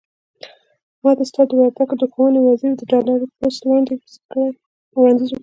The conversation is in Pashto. ماته ستا د وردګو د ښوونې وزير د ډالري پست وړانديز وکړ.